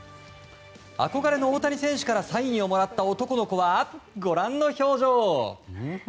憧れの大谷選手からサインをもらった男の子はご覧の表情。